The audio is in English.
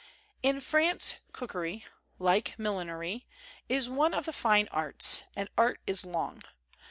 In France cookery (like millinery) is one of the fine arts; and art is long.